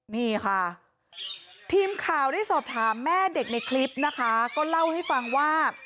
นี่ค่ะทีมข่าวได้สอบถามแม่เด็กในคลิปนะคะก็เล่าให้ฟังว่า